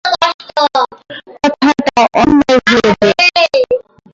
কথাটা অন্যায় হল যে।